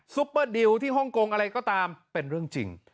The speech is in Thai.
ปเปอร์ดิวที่ฮ่องกงอะไรก็ตามเป็นเรื่องจริง